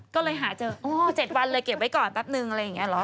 ก็เลยหาเจอ๗วันเลยเก็บไว้ก่อนแป๊บนึงอะไรอย่างนี้เหรอ